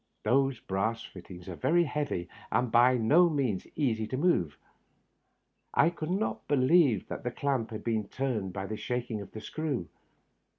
Those brass fittings are very heavy and by no means easy to move; I could not believe that the clamp had been turned by the shaking of the screw.